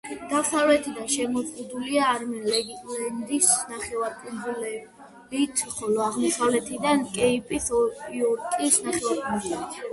დასავლეთიდან შემოზღუდულია არნემ-ლენდის ნახევარკუნძულით, ხოლო აღმოსავლეთიდან კეიპ-იორკის ნახევარკუნძულით.